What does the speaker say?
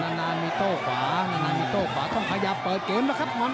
นานานามิโต้ขวานานานามิโต้ขวาต้องพยายามเปิดเกมแล้วครับ